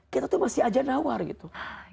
kita tuh masih aja nawar gitu